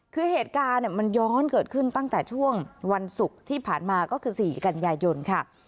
คือเหตุการณ์มันย้อนเกิดขึ้นตั้งแต่ช่วงวันศุกร์ที่ผ่านมาก็คือ๔กันยายนค่ะ